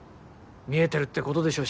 見えてるってことでしょ